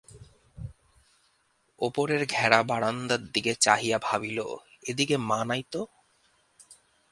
ওপরের ঘেরা বারান্দার দিকে চাহিয়া ভাবিল, ওদিকে মা নাই তো?